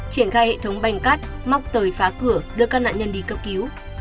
triển khai hệ thống bành cắt móc tời phá cửa đưa các nạn nhân đi cấp cứu